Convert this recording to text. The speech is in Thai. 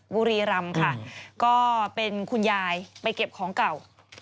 บุรีรำค่ะก็เป็นคุณยายไปเก็บของเก่า